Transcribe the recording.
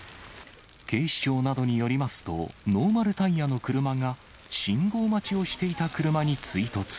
警視庁などによりますと、ノーマルタイヤの車が信号待ちをしていた車に追突。